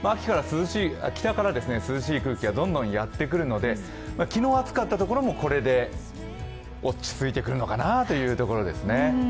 北から涼しい風がどんどんやってくるので、昨日、暑かったところもこれで落ち着いてくるのかなというところです。